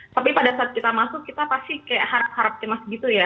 tapi pada saat kita masuk kita pasti kayak harap harap cemas gitu ya